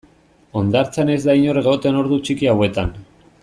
Hondartzan ez da inor egoten ordu txiki hauetan.